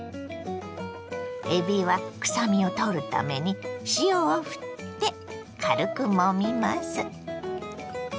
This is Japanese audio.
えびは臭みを取るために塩をふって軽くもみます。